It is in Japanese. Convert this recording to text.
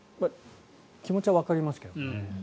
気持ちはわかりますけどね。